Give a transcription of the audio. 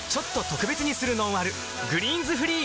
「グリーンズフリー」